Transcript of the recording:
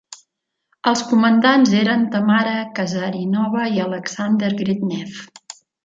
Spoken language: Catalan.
Els comandants eren Tamara Kazarinova i Aleksandr Gridnev.